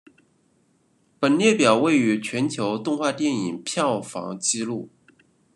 本列表关于全球动画电影票房纪录。